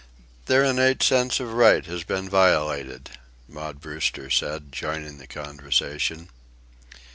"Their innate sense of right has been violated," Maud Brewster said, joining the conversation.